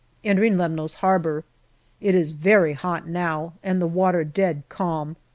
Entering Lemnos Harbour. It is very hot now, and the water dead calm.